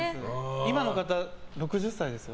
今の方、６０歳ですよ。